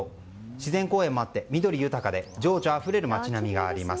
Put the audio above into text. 自然公園もあって緑豊かで情緒あふれる街並みがあります。